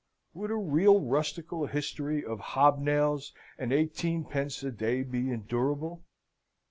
Would a real rustical history of hobnails and eighteenpence a day be endurable?